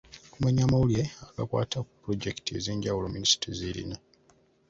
Okumanya amawulire agakwata ku pulojekiti ez'enjawulo Minisitule z'erina.